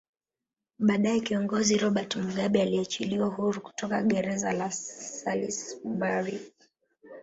Baadae Kiongozi Robert Mugabe aliachiliwa huru kutoka greza la Salisbury